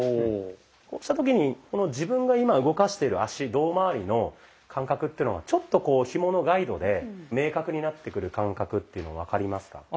こうした時に自分が今動かしてる足胴まわりの感覚っていうのがちょっとひものガイドで明確になってくる感覚っていうの分かりますか？